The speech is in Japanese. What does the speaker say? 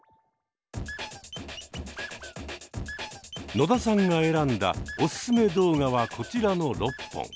野田さんが選んだおすすめ動画はこちらの６本。